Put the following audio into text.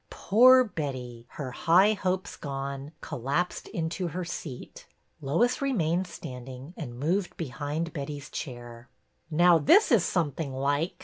Poor Betty, her high hopes gone, collapsed into her seat. Lois remained standing, and moved behind Betty's chair. " Now this is something like!